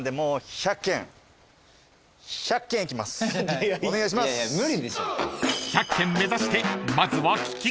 ［１００軒目指してまずは聞き込み］